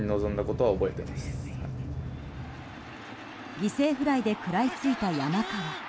犠牲フライで食らいついた山川。